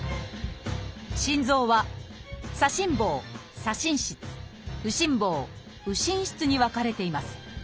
心臓は「左心房」「左心室」「右心房」「右心室」に分かれています。